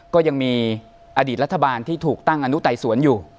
ก็ยังมีอดีตรัฐบาลที่ถูกตั้งอนุไตสวนอยู่